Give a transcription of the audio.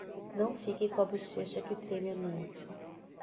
Não fique com a bochecha que treme à noite.